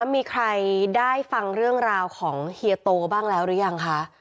มีใครได้ฟังเรื่องราวของเฮียโตบ้างแล้วหรือยังคะ